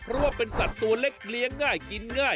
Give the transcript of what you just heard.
เพราะว่าเป็นสัตว์ตัวเล็กเลี้ยงง่ายกินง่าย